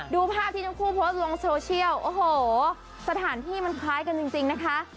ดูภาพที่ทั้งคู่โพสต์ลงโซเชียลโอ้โหสถานที่มันคล้ายกันจริงนะคะ